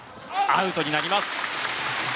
アウトになります。